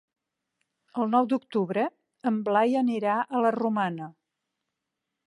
El nou d'octubre en Blai anirà a la Romana.